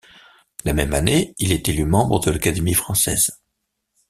La même année, il est élu membre de l'Académie française.